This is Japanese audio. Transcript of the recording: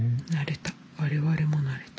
我々も慣れた。